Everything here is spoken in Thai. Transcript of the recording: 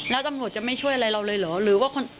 แล้วตำรวจจะไม่ช่วยอะไรเราเลยเหรอหรือว่า